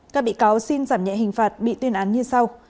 các bị cáo xin giảm nhẹ hình phạt bị tuyên án như sau